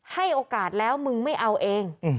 ให้โอกาสแล้วมึงไม่เอาเอง